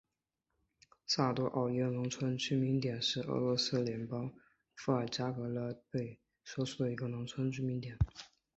萨多沃耶农村居民点是俄罗斯联邦伏尔加格勒州贝科沃区所属的一个农村居民点。